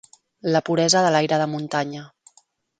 La puresa de l'aire de muntanya.